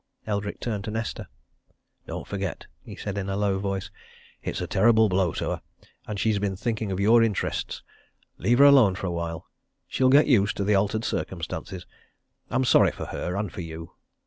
Eldrick turned to Nesta. "Don't forget," he said in a low voice, "it's a terrible blow to her, and she's been thinking of your interests! Leave her alone for a while she'll get used to the altered circumstances. I'm sorry for her and for you!"